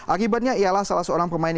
akibatnya ialah salah seorang pemain